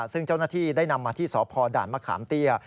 ซึ่งเจ้าหน้าที่ได้นำมาที่สพด่านมะขามเตี้ย